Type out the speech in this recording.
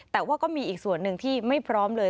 แต่ว่าก็มีอีกส่วนหนึ่งที่ไม่พร้อมเลย